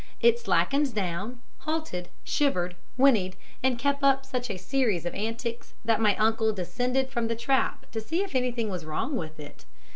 It slackened down, halted, shivered, whinnied, and kept up such a series of antics, that my uncle descended from the trap to see if anything was wrong with it.